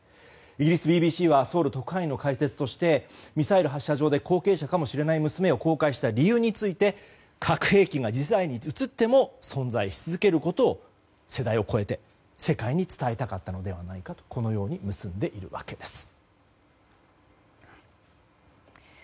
イギリスＢＢＣはソウル特派員の解説としてミサイル発射場での写真を公開した理由について核兵器が次世代に移っても存在し続けることを世代を超えて世界に伝えたかったのではないかとこのように結んでいるわけです。